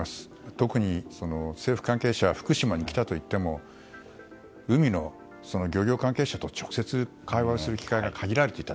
特に政府関係者は福島に来たといっても海の漁業関係者と直接、会話をする機会が限られていた。